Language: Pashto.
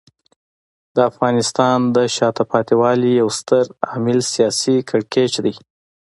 د افغانستان د شاته پاتې والي یو ستر عامل سیاسي کړکېچ دی.